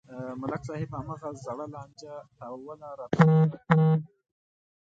ملک صاحب هماغه زړه لانجه تاووله راتاووله بلاخره و یې گټله.